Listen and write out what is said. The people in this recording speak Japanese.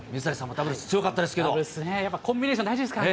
ダブルスね、やっぱりコンビネーション大事ですからね。